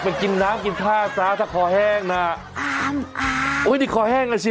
ไปกินน้ำกินท่าซ้าถ้าคอแห้งน่ะอ้ามอ้ามโอ้ยนี่คอแห้งอ่ะสิ